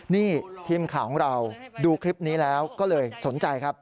นี่ทีมข่าวของเราดูคลิปนี้แล้วก็เลยสนใจครับ